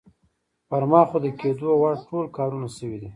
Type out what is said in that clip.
پر ما خو د کېدو وړ ټول کارونه شوي دي.